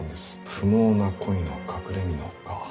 「不毛な恋の隠れみの」か